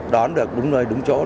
đón được đúng nơi đúng chỗ